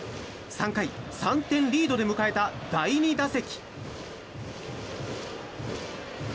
３回、３点リードで迎えた第２打席。